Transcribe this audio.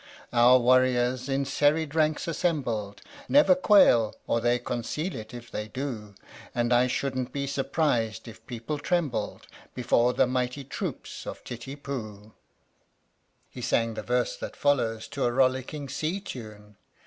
Our warriors, in serried ranks assembled, Never quail or they conceal it if they do ; And I shouldn't be surprised if people trembled Before the mighty troops of Titipu ! (He sang the verse that follows to a rollicking sea tune?)